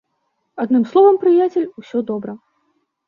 Адным словам, прыяцель, усё добра.